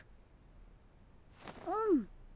うん。